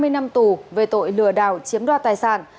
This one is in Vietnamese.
hai mươi năm tù về tội lừa đảo chiếm đoạt tài sản